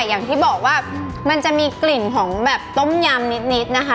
อย่างที่บอกว่ามันจะมีกลิ่นของแบบต้มยำนิดนะคะ